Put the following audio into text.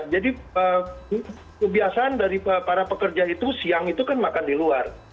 jadi kebiasaan dari para pekerja itu siang itu kan makan di luar